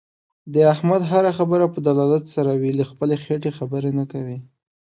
د احمد هر خبره په دلالت سره وي. له خپلې خېټې خبرې نه کوي.